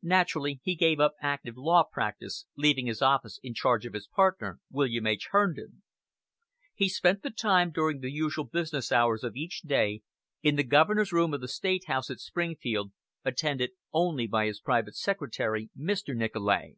Naturally he gave up active law practice, leaving his office in charge of his partner, William H. Herndon. He spent the time during the usual business hours of each day in the governor's room of the State house at Springfield, attended only by his private secretary, Mr. Nicolay.